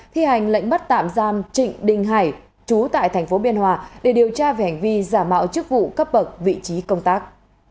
thi hành lệnh bắt tạm giam trịnh đình hải chú tại thành phố biên hòa để điều tra về hành vi giả mạo chức vụ cấp bậc vị trí công tác